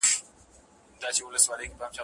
کورونا چي پر دنیا خپل وزر خپور کړ